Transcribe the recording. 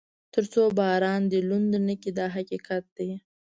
تر څو باران دې لوند نه کړي دا حقیقت دی.